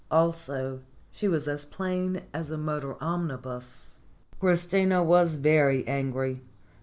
Also, she was as plain as a motor omnibus. Christina was very angry.